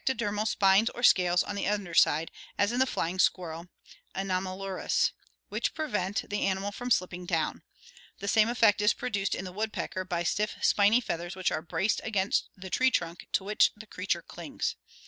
ZE ectodermal spines or scales on the under side, as fIcm ^bdj in the flying squirrel Anomalurus, which prevent the animal from slipping down. The same effect is produced in the woodpecker by stiff spiny feathers which are braced against the tree trunk to which the creature clings.